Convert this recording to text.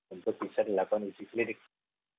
untuk bisa dilakukan uji klinik